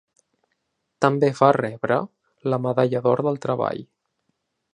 També va rebre la Medalla d'Or del Treball.